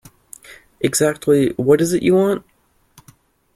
Exactly what is it you want?